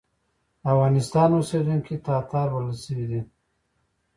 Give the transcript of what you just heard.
د افغانستان اوسېدونکي تاتار بلل شوي دي.